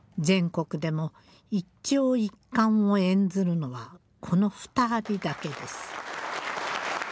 全国でも一調一管を演ずるのはこの２人だけです。